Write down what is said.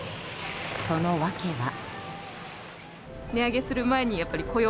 その訳は。